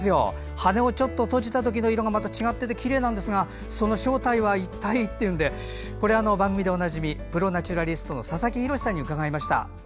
羽をちょっと閉じたときの色はまた違っていてとてもきれいなんですがその正体は一体？ということで番組でおなじみプロ・ナチュラリストの佐々木洋さんに伺いました。